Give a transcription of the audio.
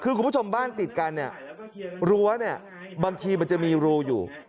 คือคุณผู้ชมบ้านติดกันเนี่ยรั้วเนี่ยบางทีมันจะมีรูอยู่